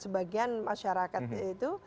sebagian masyarakat itu